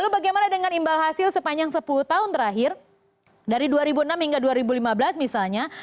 karena dengan imbal hasil sepanjang sepuluh tahun terakhir dari dua ribu enam hingga dua ribu lima belas misalnya